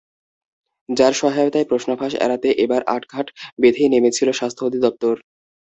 যার সহায়তায় প্রশ্ন ফাঁস এড়াতে এবার আটঘাট বেঁধেই নেমেছিল স্বাস্থ্য অধিদপ্তর।